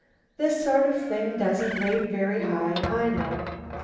This sort of thing doesn't rate very high, I know.